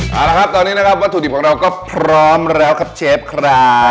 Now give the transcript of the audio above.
เอาละครับตอนนี้นะครับวัตถุดิบของเราก็พร้อมแล้วครับเชฟครับ